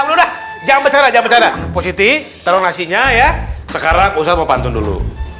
udah jangan bercerai jangan bercerai positi terlalu nasinya ya sekarang ustadz mau pantun dulu